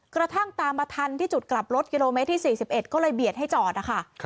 กระทั่งตามมาทันที่จุดกลับรถกิโลเมตรที่๔๑ก็เลยเบียดให้จอดนะคะ